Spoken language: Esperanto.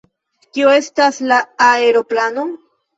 Kio estas aeroplano?